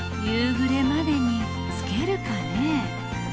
夕暮れまでに着けるかね？